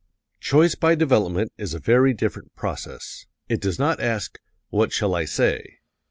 "Choice by development is a very different process. It does not ask, What shall I say?